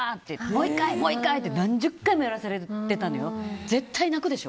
もう１回！って何十回もやらされてたのよ。